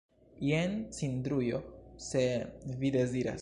Jen cindrujo, se vi deziras.